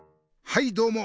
はいどうも！